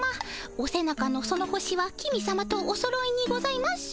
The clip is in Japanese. お背中のその星は公さまとおそろいにございます。